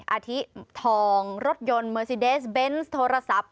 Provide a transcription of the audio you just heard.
อาทิทองรถยนต์เมอร์ซีเดสเบนส์โทรศัพท์